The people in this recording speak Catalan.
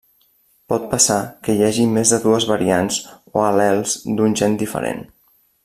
Pot passar que hi hagi més de dues variants o al·lels d'un gen diferent.